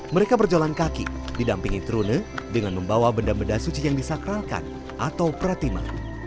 mereka berjalan kaki didampingi trune dengan membawa benda benda suci yang disakralkan atau pratima